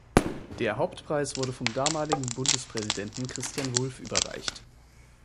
Der Hauptpreis wurde vom damaligen Bundespräsidenten Christian Wulff überreicht.